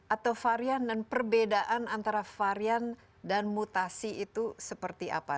atau varian dan perbedaan antara varian dan mutasi itu seperti apa